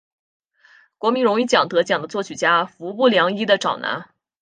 国民荣誉奖得奖的作曲家服部良一的长男。